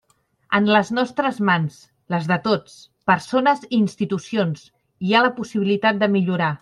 En les nostres mans, les de tots, persones i institucions, hi ha la possibilitat de millorar.